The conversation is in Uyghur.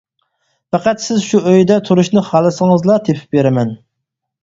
پەقەت سىز شۇ ئۆيدە تۇرۇشنى خالىسىڭىزلا تېپىپ بېرىمەن.